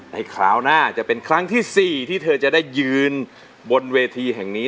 คราวหน้าจะเป็นครั้งที่๔ที่เธอจะได้ยืนบนเวทีแห่งนี้